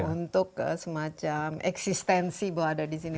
untuk semacam eksistensi bahwa ada di sini